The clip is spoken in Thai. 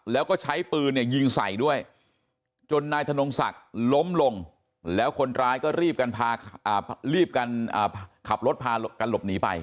แล้วก็ใช้ปืนเนี่ยยิงใส่ด้วยจนนายธนงศักดิ์ล้มลงแล้วคนร้ายก็รีบกันขับรถพากันหลบหนีไป